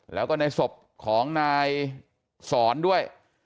แล้วก็ในศพของนายสอนด้วย